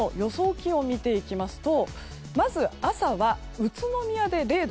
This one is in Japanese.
気温を見ていきますとまず朝は宇都宮で０度。